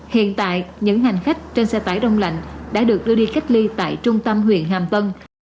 hiện tại những hành khách trên xe tải đông lạnh đã được đưa đi cách ly tại trung tâm huyện hàm tân